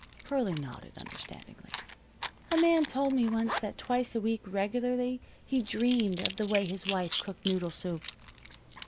Pearlie nodded understandingly. "A man told me once that twice a week regularly he dreamed of the way his wife cooked noodle soup."